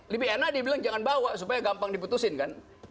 lebih enak dia bilang jangan bawa supaya gampang diputusin kan